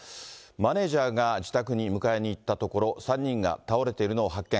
マネージャーが自宅に迎えに行ったところ、３人が倒れているのを発見。